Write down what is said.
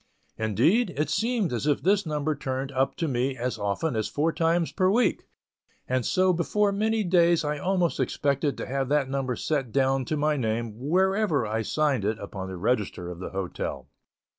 Indeed, it seemed as if this number turned up to me as often as four times per week, and so before many days I almost expected to have that number set down to my name wherever I signed it upon the register of the hotel.